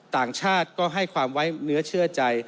ต่างชาติก็ให้ความไว้เนื้อเชื่อใจ